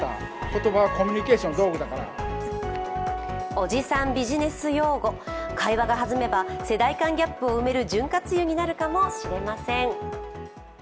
おじさんビジネス用語、会話が弾めば世代間ギャップを埋める潤滑油になるかもしれません。